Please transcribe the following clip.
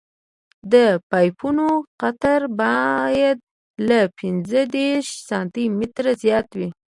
د پایپونو قطر باید له پینځه دېرش سانتي مترو زیات وي